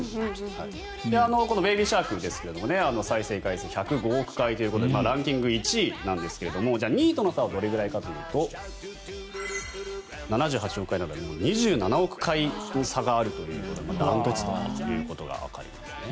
この「ベイビー・シャーク」ですが再生回数１０５億回ということでランキング１位なんですが２位との差はどれぐらいかというと７８億回で２７億回差があるので断トツということがわかりますね。